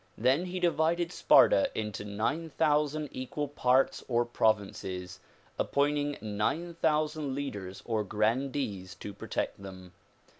Then he divided Sparta into nine thousand equal parts or provinces, appointing nine thousand lead ers or grandees to protect them.